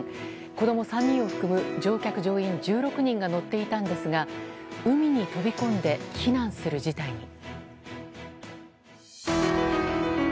子供３人を含む乗客・乗員１６人が乗っていたんですが海に飛び込んで避難する事態に。